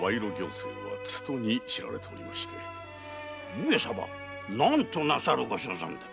上様何となさるるご所存で？